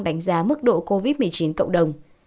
đánh giá mức độ covid một mươi chín cộng đồng